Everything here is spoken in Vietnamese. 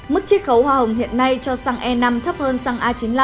mức chiết khấu hoa hồng hiện nay cho xăng e năm thấp hơn xăng a chín mươi năm